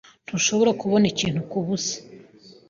Ntushobora kubona ikintu kubusa.